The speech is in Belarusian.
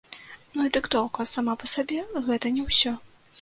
Ну, і дыктоўка сама па сабе гэта не ўсё.